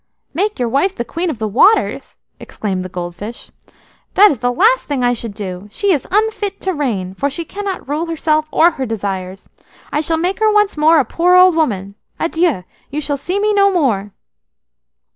"'Make your wife the Queen of the Waters'?" exclaimed the gold fish. "That is the last thing I should do. She is unfit to reign, for she cannot rule herself or her desires. I shall make her once more a poor old woman. Adieu! You will see me no more."